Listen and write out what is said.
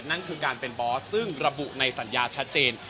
นั่นคือการเป็นบอสซึ่งระบุในสัญญาชัดเจน